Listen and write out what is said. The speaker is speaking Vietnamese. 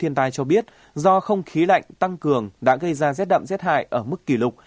thiên tai cho biết do không khí lạnh tăng cường đã gây ra rét đậm rét hại ở mức kỷ lục